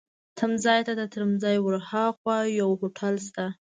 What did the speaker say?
تمځای ته، تر تمځای ورهاخوا یو هوټل شته.